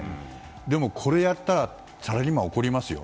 でも、これをやったらサラリーマンは怒りますよ。